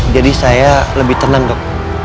jadi saya lebih tenang dok